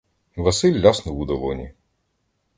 Василь ляснув у долоні.